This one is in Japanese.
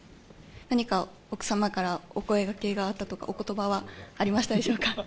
何か奥様から、お声かけがあったとか、おことばはありましたでしょうか？